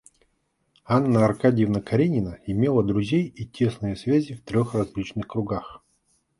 Анна Аркадьевна Каренина имела друзей и тесные связи в трех различных кругах.